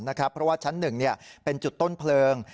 เพราะว่าชั้น๑เป็นจุดต้นเพลิง